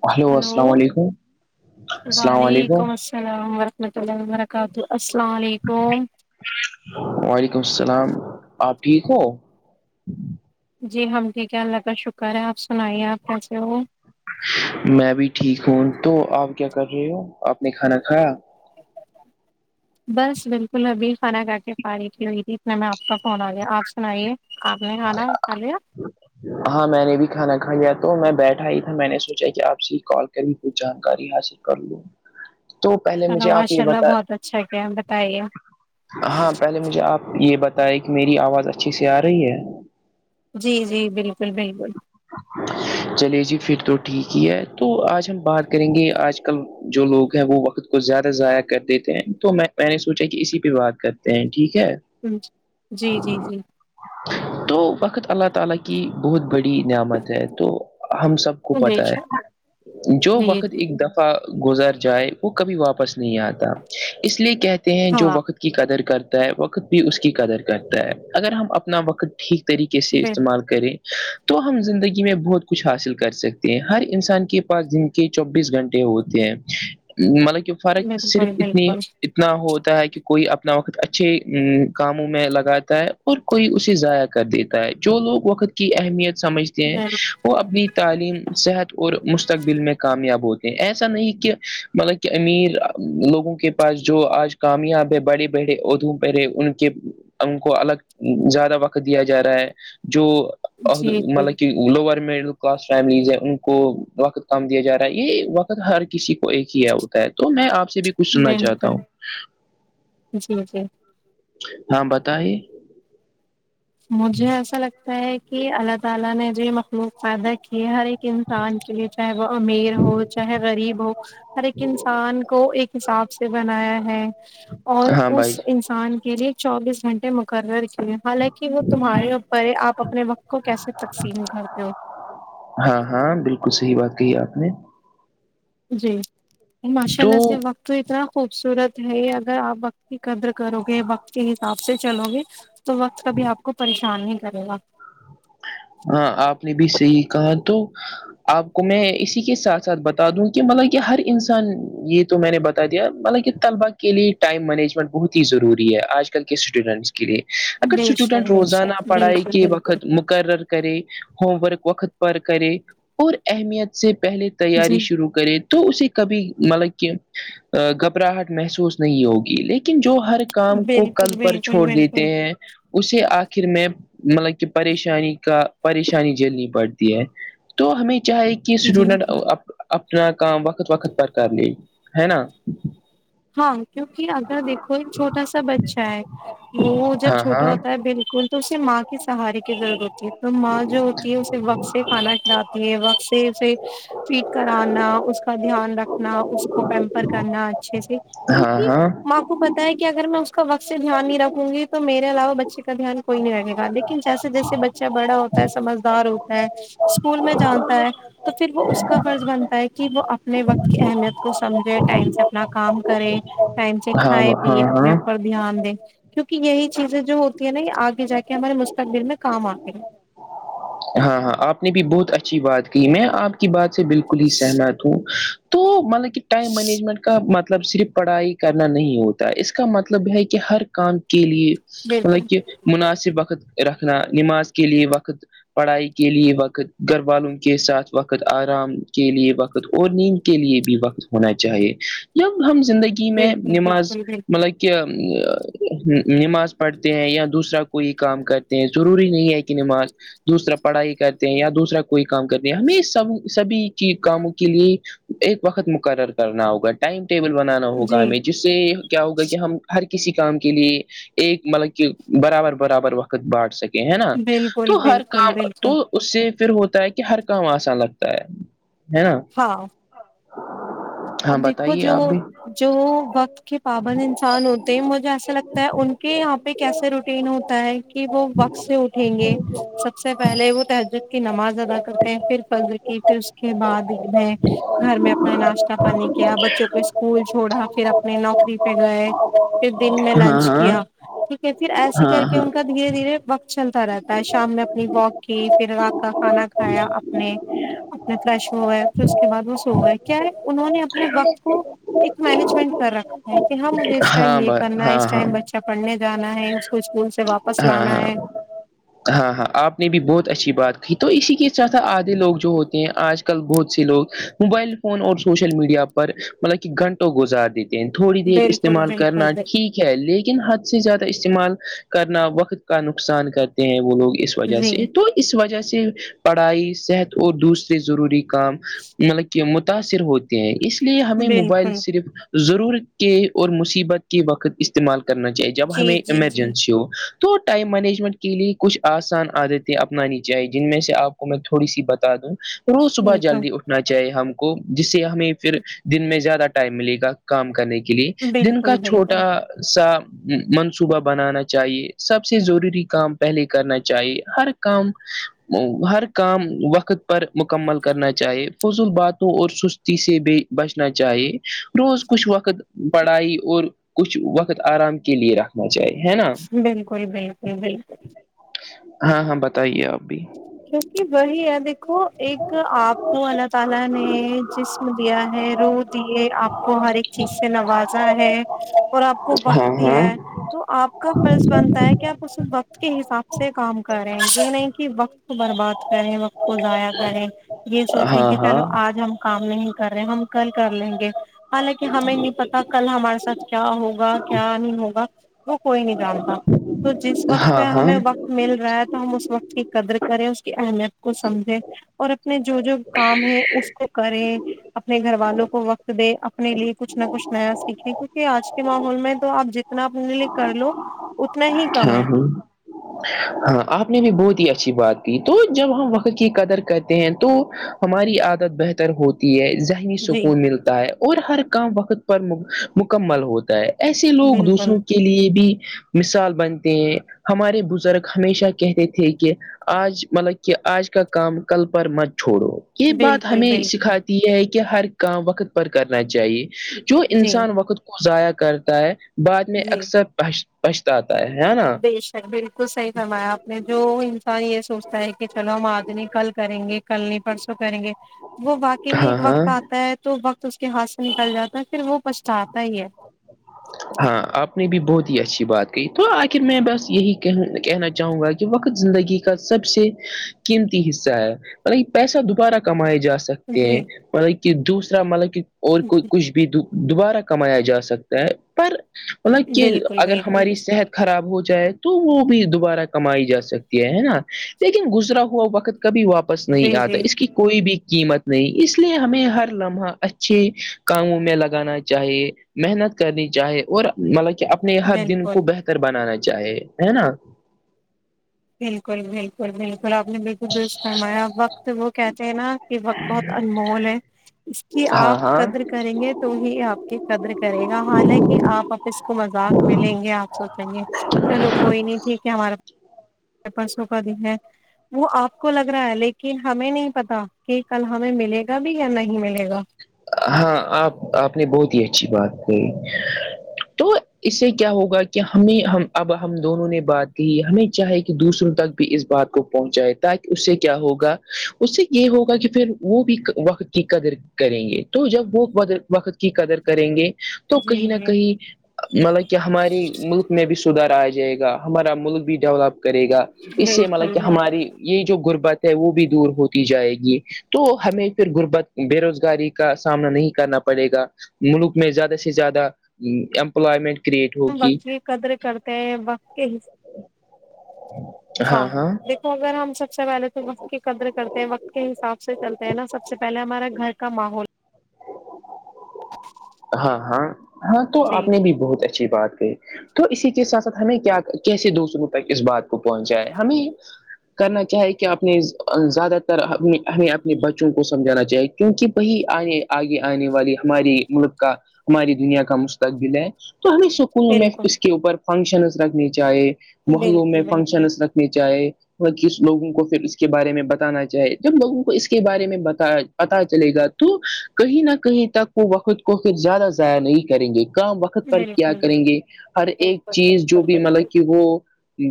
چ hello hello السلام وعلیکم السلام وعلیکم السلام ورحمۃ اللہ وبرکاتہ السلام علیکم وعلیکم السلام آپ ٹھیک ہو جی ہم ٹھیک ہے اللہ کا شکر ہے آپ سنائیے آپ کیسے ہو میں بھی ٹھیک ہوں تو آپ کیا کر رہے ہو آپ نے کھانا کھایا بس بالکل ابھی کھانا ک کے فارغ ہوئی تھی اتنا میں آپ کا فون آ گیا آپ سنائیے آپ نے کھانا کھا لیا ہاں میں نے بھی کھانا کھایا تو میں بیٹھا ہی تھا میں نے سوچا کہ آپ سے کال کری جانکاری حاصل کر لوں تو پہلے مجھے چلو آپ یہ ماشاء اللہ بتا بہت اچھا کیا بتائیے ہاں پہلے مجھے آپ یہ بتائے کہ میری آواز اچھی سی آ رہی ہے جی جی بالکل بالکل [inaudible] چلے جی پھر تو ٹھیک ہی ہے تو آج ہم بات کریں گے آج کل جو لوگ ہیں وہ وقت کو زیادہ ضائع کر دیتے ہیں تو میں میں نے سونچا کہ اسی پہ بات کرتے ہیں ٹھیک ہے جی جی جی تو وقت اللہ تعالی کی بہت بڑی نعمت ہے تو ہم سب کو بے پتہ شک ہے جو جی وقت جی ایک دم گزر جائے وہ کبھی واپس نہیں آتا اس لیے کہتے ہیں جو ہاں وقت کی قدر کرتا ہے وقت بھی اس کی قدر کرتا ہے اگر ہم اپنا وقت ٹھیک طریقے سے بالکل استعمال کریں تو ہم زندگی میں بہت کچھ حاصل کر سکتے ہیں ہر انسان کے پاس دن کے چوبیس گھنٹے ہوتے مطلب [unintelligible] کہ فرق صرف بالکل اتنی بالکل اتنا ہوتا ہے کہ کوئی اپنا وقت اچھے کاموں میں لگاتا ہے اور کوئی اسے ضایع کر دیتا ہے جو لوگ وقت کی اہمیت سمجھتے ہیں بل- وہ اپنی تعلیم صحت اور مستقبل میں کامیاب ہو ایسا نہیں کہ مطلب کہ امیر لوگوں کے پاس جو آج کامیاب ہے بڑے بڑے عہدوں پر ہے ان کے ان کو الگ زیادہ وقت دیا جا رہا ہے جو جی جی ہلاکے لوور مڈل کلاس فیملیز ہے ان کو وقت کم دیا جا رہا ہے یہ وقت ہر کسی کو ایک ہی ہے تو میں آپ سے بھی کچھ سننا چاہتا بالکل ہوں جی جی ہاں بتایئے مجھے ایسا لگتا ہے کہ اللہ تعالی نے جو یہ مخلوق پیدا کی ہے ہر ایک انسان کے لیے چاہے وہ امیر ہو چاہے غریب ہو ہر ایک انسان کو ایک حساب سے بنایا ہے اور ہاں بھائی اس انسان کے لیے چوبیس گھنٹے مقرر کیئے حالانکہ تمہارے اوپر ہے آپ اپنے وقت کو کیسے تقسیم کرتے ہو ہاں ہاں بالکل صحیح بات کہی آپ نے جی ماشاء تو اللہ سے وقت تو اتنا خوبصورت ہے اگر آپ وقت کی قدر کرو گے وقت کے حساب سے چلو گے تو وقت کبھی آپ کو پریشان نہیں کرے گا ہاں آپ نے بھی صحیح کہا تو آپ کو میں اسی کے ساتھ ساتھ بتا دوں کہ مطلب کہ ہر انسان یہ تو میں نے بتا دیا مللب طلبا کے لیے ٹائم مینجمنٹ بہت ہی ضروری ہے آج کل کے اسٹوڈنٹس کے لیے اگر بے شک اسٹوڈنٹ بے روزانہ شک پڑھائی بالکل کے بالکل وقت م قرر کرے ہوم ورک وقت پر کرے اور اہمیت سے پہلے تیاری جی شروع کرے تو اسے کبھی مطلب کہ گھبراہٹ محسوس نہیں ہوگی لیکن جو ہر کام کو بالکل کل پر بالکل چھوڑ دیتے بالکل ہیں اسے آخر میں مطلب کہ پریشانی کا پریشانی جھیلنی پڑتی ہے تو ہمیں چاہے کہ جی اسٹوڈنٹ جی اپنا کام وقت وقت پر کر لے ہے نا ہاں کیونکہ اگر دیکھو ایک چھوٹا سا بچہ ہے وہ جب ہاں چھوٹا ہاں ہوتا ہے بالکل تو اسے ماں کے سہارے کی ضرورت تو ماں جو ہوتی ہے اسے وقت سے کھانا کھلاتی ہے وقت سے اسے فیڈ کرانا اس کا دھیان رکھنا اس کو پیمپر کرنا اچھے سے ہاں کیونکہ ہاں ماں کو پتا ہے کہ اگر میں اس کا وقت سے دھیان نہیں رکھوں گی تو میرے علاوہ بچے کا دھیان کوئی نہیں رکھے گا لیکن جیسے جیسے بچہ بڑا ہوتا ہے سمجھدار ہوتا ہے اسکول میں جانتا ہے تو پھر وہ اس کا فرض بنتا ہے کہ وہ اپنے وقت کی اہمیت کو سمجھے ٹائم سے اپنا کام کرے ٹائم سے ہاں کھائے پیے ہاں اپنے ہاں اپر دھیان دیں کیونکہ یہی چیزیں جو ہوتی ہے نا یہ آگے جا کے ہمارے مستقبل میں کام آتے ہیں ہاں ہاں آپ نے بھی بہت اچھی بات کہی میں آپ کی بات سے بالکل ہی سہمت ہوں تو مطلب کہ ٹائم مینجمنٹ کا مطلب صرف پڑھائی کرنا نہیں ہوتا اس کا مطلب ہے کہ ہر کام کے لیے بالکل مطلب کہ مناسب وقت رکھنا نماز کے لیے وقت پڑھائی کے لیے وقت گھر والوں کے ساتھ وقت آرام کے لیے وقت اور نیند کے لیے بھی وقت ہونا چاہیے جب ہم زندگی میں بالکل نماز بالکل بالکل مطلب نماز پڑھتے ہیں یا دوسرا کوئی کام کرتے ہیں ضروری نہیں ہے کہ نماز دوسرا پڑھائی کرتے ہیں یا دوسرا کوئی کام کرتے ہیں ہمیں سب سبھی چی کاموں کے لیے ایک وقت مقرر کرنا ہوگا ٹائم ٹیبل بنانا ہوگا جی ہمیں جس سے کیا ہوگا کہ ہم ہر کسی کام کے لیے ایک ملکے کہ برابر برابر وقت بانٹ سکے ہے نا بالکل تو ہر بالکل کام بالکل تو اس سے پھر ہوتا ہے کہ ہر کام آسان لگتا ہے ہے نا ہاں ہاں اب دیکھو بتائیے آپ جو بھی جو وقت کے پابند انسان ہوتے ہیں مجھے ایسا لگتا ہے ان کے یہاں پہ کیسے روٹین ہو تا ہے کہ وہ وقت سے اٹھیں گے سب سے پہلے وہ تہجد کی نماز ادا کرتے ہیں پھر فجر کی پھر اس کے بعد عید میں گھر میں اپنا ناشتہ پانی کیا بچوں کو اسکول چھوڑا پھر اپنے نوکری پہ گئے پھر دن میں ہاں لنچ ہاں کیا ٹھیک ہے پھر ایسے ہاں کر کے ہاں ان کا دھیرے دھیرے وقت چلتا رہتا ہے شام میں اپنی واک کی پھر رات کا کھانا کھایا اپنے اپنے فریش ہو گئے پھر اس کے بعد وہ سو گئے کیا انہوں نے اپنے وقت کو ایک مینجمنٹ کر رکھا ہے کہ ہاں مجھے اس ٹائم ہاں یہ ب کرنا ہے ہاں اس ہاں ٹائم بچہ پڑھنے جانا ہے کچھ اسکول سے واپس ہاں لانا ہاں ہے ہاں ہاں آپ نے بھی بہت اچھی بات کہی تو اسی کے سھت آدھے لوگ جو ہوتے ہیں آج کل بہت سے لوگ موبائل فون اور سوشل میڈیا پر مطلب کہ گھنٹوں گزار دیتے تھوڑی دیر بالکل استعمال بالکل کرنا بالکل ٹھیک لیکن حد سے زیادہ استعمال کرنا وقت کا نقصان کرتے ہیں وہ لوگ اس وجہ جی سے تو اس وجہ سے پڑھائی صحت اور دوسرے ضروری کام مطلب کہ متاثر ہوتے ہیں اس لیے ہمیں موبائل بالکل صرف ضرورت کے اور مصیبت کے وقت استعمال کرنا چاہیے جب جی ہمیں جی جی ایمرجنسی ہو تو ٹائم مینجمنٹ کے لیے کچھ آسان عادتیں اپنانی چاہیے جن میں سے آپ کو میں تھوڑی سی بتا دوں روز صبح جلدی بالکل اٹھنا چاہیے ہم کو جس سے ہمیں پھر دن میں زیادہ ٹائم ملے گا کام کرنے کے لیے دن کا بالکل چھوٹا بالکل سا منصوبہ بنانا چاہیے سب سے ضروری کام پہلے کرنا چاہیے ہر کام و ہر کام وقت پر مکمل کرنا چاہیے فضول باتوں اور سستی سے بھی بچنا چاہیے روز کچھ وقت پڑھائی اور کچھ وقت آرام کے لیے را رہنا چاہیے بالکل بالکل بالکل ہاں ہاں بتائیے آپ بھی کیونکہ وہی ہے دیکھو ایک آپ کو اللہ تعالی نے جسم دیا ہے روح دیے آپ کو ہر ایک چیز سے نوازا ہے اور آپ کو ہاں وقت ہاں دیا ہے تو آپ کا فرض بنتا ہے کہ آپ اسے وقت کے حساب سے کام کر رہے ہیں یہ نہیں کہ وقت کو برباد کریں وقت کو ضائع کریں یہ سوچیں ہاں کہ ہاں چلو ہاں آج ہم کام نہیں کر رہے ہم کل کر لیں گے حالانکہ ہمیں نہیں پتا کل ہمارے ساتھ کیا ہوگا کیا نہیں ہوگا وہ کوئی نہیں جانتا تو جس وقت پہ ہاں ہمیں وقت مل رہا ہے تو ہم اس وقت کی قدر کریں اس کی اہمیت کو سمجھیں اور اپنے جو جو کام ہے اس کو کرے اپنے گھر والوں کو وقت دے اپنے لیے کچھ نہ کچھ نیا سیکھے کیونکہ آج کے ماحول میں تو آپ ج اتنا آ پنے لیے کر لو اتنا ہی کم ہاں ہے ہاں ہاں آپ نے بھی بہت ہی اچھی بات کی تو جب ہم وقت کی قدر کرتے ہیں تو ہماری عادت بہتر ہوتی ہے ذہنی جی سکون ملتا ہے اور ہر کام وقت پر مو مکمل ہوتا ہے ایسے لوگ بالکل دوسروں کے لیے بھی مثال بنتے ہیں ہمارے بزرگ ہمیشہ کہتے تھے کے آج مطلب کی آج کا کام کل پر مت چھوڑو یہ بات بالکل ہمیں بالکل سکھاتی تی ہے کہ ہر کام وقت پر کرنا چاہیے جو جی انسان وقت کو ضائع کرتا ہے بعد میں جی اکثر پچھتا تا بے شک بالکل صحیح فرمایا آپ نے جو انسان یے سوچتا ہے کی چلو ہم آج نئی کل کریں گے کل نہیں پرسوں کریں گے وہ واقع میں ہاں ایک ہاں وقت آتا ہے تو وقت تو اس کے ہاتھ سے نکل جاتا ہے پھر وہ پچھتاتا ہی ہے ہاں آپ نے بھی بہت ہی اچھی بات کہی تو آخر میں بس یہی کہ کہنا چاہوں گا کی وقت زندگی کا سب سے قیمتی حصہ ہے وہی پیسہ دوبارہ کمایا جا سکتا ہیں جی مطلب کی دوسرا مطلب کی اور کوئی جی کچھ کچھ بھی دوبارہ کمایا جا سکتا ہے پر مطلب کی بالکل اگر بالکل ہماری بالکل، صحت خراب ہو جائے تو وہ بھی دوبارہ کمائی جا سکتی ہے نا لیکن گزرا ہوا وقت کبھی واپس پس نہیں جی آتا جی اس کی کوئی بھی قیمت نہیں اس لیے ہمیں ہر لمحہ اچھے کاموں میں لگانا چاہیے محنت کرنی چاہے اور مطلب کی اپنے ہر دن کو بالکل بہتر بنانا چاہے ہے نا بالکل بالکل بالکل آپ نے بلک درست فرمایا وقت وہ کہتے ہیں نا کے وقت بہت انمول ہے اس کی ہاں آپ ہاں قدر کریں گے تو ہی آپ کی قدر کرے گا حالانکے آپ آپ اس کو مذاق میں لنیگے آپ سوچیں گے چلو کوئی نہیں ٹھیک ہے ہمارا پرسوں کا دن ہے وہ آپ کو لگ رہا ہے لیکن ہمیں نہیں پتا کے کل ہمیں ملے گا بھی یا نہیں ملے گا ہاں آپ آپ نے بہت ہی اچھی بات کہی تو اس سے کیا ہوگا کی ہمیں ہم اب ہم دونوں نے بات کی ہمیں چاہے کی دوسروں تک اس بات کو پہنچائے تاکہ اس سے کیا ہوگا اس سے یے ہوگا کی فیر وہ بھی وقت کی قدر کریں گے تو جب وہ وقت کی قدر کریں گے تو جی کہیں نہ جی کہیں مطلب کی ہمارے ملک میں بھی سدھار آ جائے گا ہمارا ملک بھی ڈیولپ کرے گا اس سے مطلب بالکل کی بالکل ہماری یے جو غربت ہے وہ بھی دور ہوتی جائے گی تو ہمیں پھر غربت بے روزگاری کا سامنا نہیں کرنا پڑے گا ملک میں زیادہ سے زیادہ ایمپائمٹ کریٹ ہوگی وقت کی قدر کرتے ہیں وقت کے حصا [inaudible] ہاں تو اگر ہم سب سے پہلے تو وقت کی قدر کرتے ہیں وقت کے حساب سے چلتے ہیں نا سب سے پہلے ہمارا گھر کا ماحول [inaudible] ہاں ہاں ہاں تو جی آپ نے بھی بہت اچھی بات کہی تو اسی کے ساتھ ساتھ ہمیں کیا کیسے دوسروں تک اس بات کو پہنچاے ہمیں کرنا کیا ہے کہ اپنے زیادہ تر ہمیں اپنے بچوں کو سمجھانا چاہیے کیونکی وہی آنے آگے آگے آنے والی ہماری ملک کا ہماری دنیا کا مستقبل ہے تو ہمیں سکونوں میں بالکل اس کے اوپر فنکشنس رکھنی چاہے محلوں بالکل میں بالکل فنکشنس رکھنی چاہے کس لوگوں کو فیر اس کے بارے میں بتانا چاہے جب لوگوں کو اس کے بارے میں بتایا جا پتا چلے گا تو کہیں نہ کہیں تک وہ وقت کو زیادہ ضائع نہیں کریں گے کام وقت پر کیا بالکل کریں گے ہر ایک بالکل چیز جو بالکل بھی بالکل مطلب کی وہ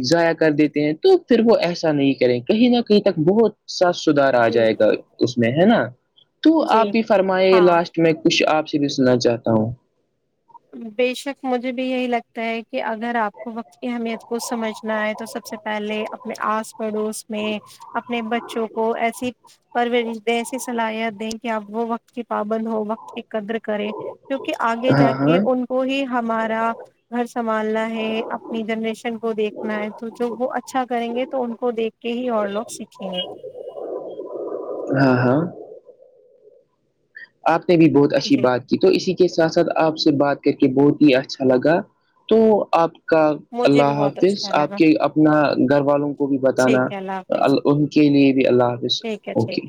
ضائع کر دیتے ہیں تو فیر وہ ایسا نہیں کریں کہیں نہ کہیں تک بہت سف سدار آ جی جائے گا اس میں ہے نا تو جی آپ بھی فرمائے ہاں لاسٹ میں کچھ آپ سے بھی سننا چاہتا ہوں بے شک مجھے بھی یہی لگتا ہے کہ اگر آپ کو وقت کی اہمیت کو سمجھنا ہے تو سب سے پہلے اپنے آس پڑوس میں اپنے بچوں کو ایسی پر وہ رشتےہ ایسی صلاحیت دیں کہ آپ وہ وقت کی پابند ہو وقت قدر کرے کیونکہ آگے جا ہاں ہاں کے ان کو ہی ہمارا گھر سنبھالنا ہے اپنی جنریشن کو دیکھنا ہے تو جب وہ اچھا کریں گے تو ان کو دیکھ کہ ہی اور لوگ سیکھیں گے ہاں ہاں آپ نے بھی بہت اچھی جی بات تو اسی کے ساتھ ساتھ آپ سے بات کر کے بہت ہی اچھا لگا تو آپ کا مجھے اللہ بھی بہت حافظ اچھا آپ لگا کے اپنا گھر والوں کو بھی بتانا ٹھیک ہے اللہ ال حافظ ان کے لیے بھی اللہ حافظ ٹھیک ہے ٹھیک اوکے